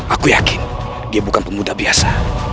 aku yakin dia bukan pemuda biasa